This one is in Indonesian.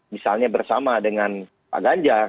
misalnya bersama dengan pak ganjar